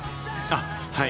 あっ、はい。